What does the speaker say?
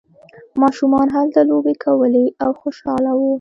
ماشومان هلته لوبې کولې او خوشحاله وو.